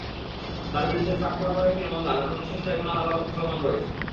তাঁর বিরুদ্ধে ট্রাক পোড়ানোর একটি মামলা নাটোর বিশেষ ট্রাইব্যুনাল আদালতে চলমান রয়েছে।